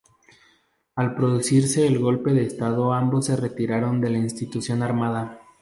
Al producirse el golpe de Estado ambos se retiraron de la institución armada.